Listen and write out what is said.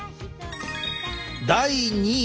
第２位。